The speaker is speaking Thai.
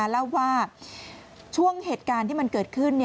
เล่าว่าช่วงเหตุการณ์ที่มันเกิดขึ้น